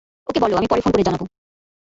ওকে বলো আমি পরে ফোন করে জানাবো।